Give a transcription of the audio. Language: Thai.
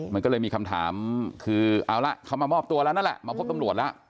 มันก็เลยมีคำถามคือเอาละเขามามอบตัวแล้วนั่นแหละมาพบตำรวจแล้ว